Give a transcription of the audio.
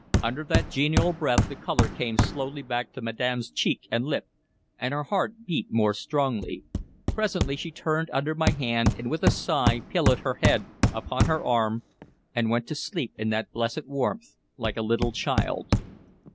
Under that genial breath the color came slowly back to madam's cheek and lip, and her heart beat more strongly. Presently she turned under my hand, and with a sigh pillowed her head upon her arm and went to sleep in that blessed warmth like a little child.